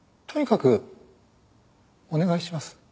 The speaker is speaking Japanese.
とにかくお願いします。